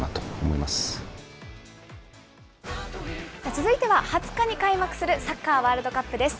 続いては、２０日に開幕するサッカーワールドカップです。